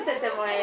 え？